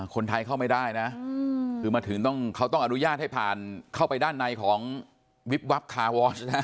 คนไทยเข้าไม่ได้นะคือมาถึงต้องเขาต้องอนุญาตให้ผ่านเข้าไปด้านในของวิบวับคาวอสนะฮะ